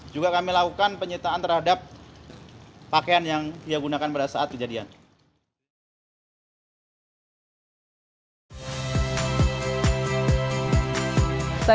juga kami lakukan penyitaan peluru tajam